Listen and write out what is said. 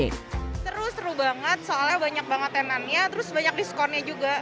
seru seru banget soalnya banyak banget tenannya terus banyak diskonnya juga